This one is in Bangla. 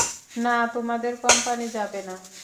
না, তোমাদের কোম্পানি যাবে না।